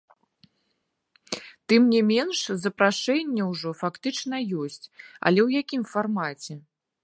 Тым не менш, запрашэнне ўжо фактычна ёсць, але ў якім фармаце?